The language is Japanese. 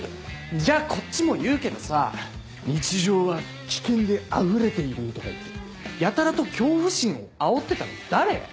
じゃあこっちも言うけどさ「日常は危険であふれている」とか言ってやたらと恐怖心をあおってたの誰